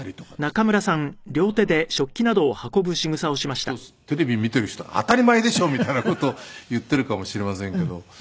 まあきっとテレビ見ている人は「当たり前でしょ！」みたいな事を言ってるかもしれませんけど。